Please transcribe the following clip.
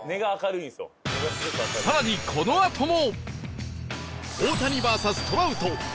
さらにこのあとも